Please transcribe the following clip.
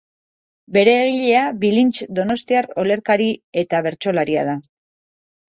Bere egilea Bilintx donostiar olerkari eta bertsolaria da.